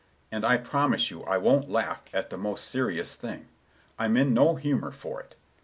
And I promise you I won't laugh at the most serious thing. I'm in no humor for it.